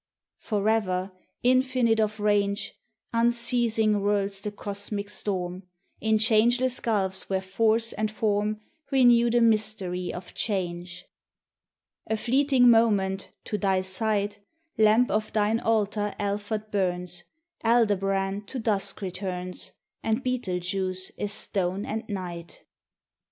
Forever, infinite of range, Unceasing whirls the cosmic storm, In changeless gulfs where Force and Form Renew the mystery of change. A fleeting moment, to thy sight, Lamp of thine altar Alphard burns; Aldebaran to dusk returns, And Betelgeuse is stone and night.